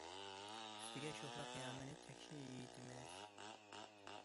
ئۈستىگە شوخلا قىيامىنى تەكشى يېيىتىمىز.